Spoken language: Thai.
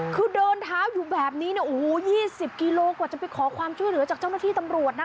คือเดินเท้าอยู่แบบนี้๒๐กิโลกว่าจะไปขอความช่วยเหลือจากเจ้าหน้าที่ตำรวจนะคะ